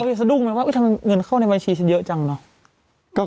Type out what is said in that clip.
เขาไปสะดุ้งแบบว่าทำไมเงินเข้าในบัญชีเยอะจังเนอะ